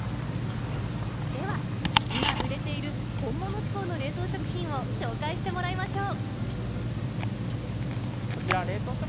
では、今売れている本物志向の冷凍食品を紹介してもらいましょう。